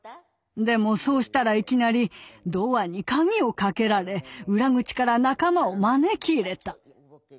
でもそうしたらいきなりドアに鍵をかけられ裏口から仲間を招き入れた。